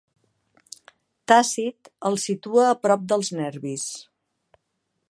Tàcit els situa a prop dels nervis.